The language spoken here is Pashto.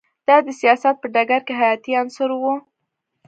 دا د سیاست په ډګر کې حیاتی عنصر و